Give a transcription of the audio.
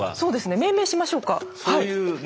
命名しましょうかって。